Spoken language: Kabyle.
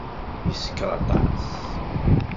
Yeskeṛ aṭas.